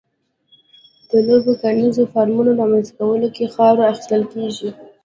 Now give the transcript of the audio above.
د لویو کرنیزو فارمونو رامنځته کولو کې خاوره اخیستل کېږي.